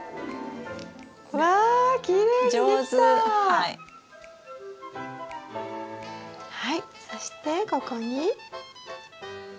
はいそしてここに？